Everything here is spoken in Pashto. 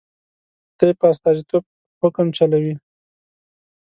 د خدای په استازیتوب حکم چلوي.